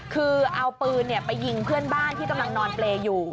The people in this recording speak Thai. คือเอาปืนไปยิงเพื่อนบ้านที่กำลังนอนเปรย์อยู่